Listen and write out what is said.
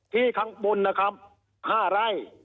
ที่ข้างบนนะครับ๕ไร่